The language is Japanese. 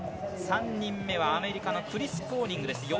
３人目はアメリカのクリス・コーニングです。